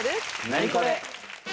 ナニコレ！